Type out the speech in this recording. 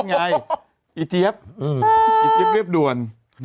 จี้บเรียบด่วน